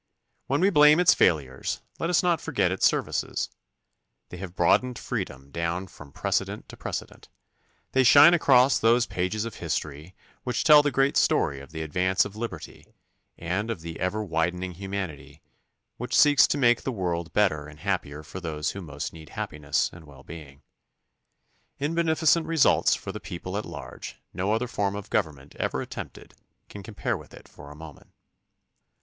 When we blame its failures let us not forget its services. They have broadened freedom down from precedent to precedent. They shine across those pages of history 68 THE CONSTITUTION AND ITS MAKERS which tell the great story of the advance of liberty and of the ever widening humanity which seeks to make the world better and happier for those who most need happiness and well being. In beneficent results for the people at large no other form of government ever attempted can compare with it for a moment.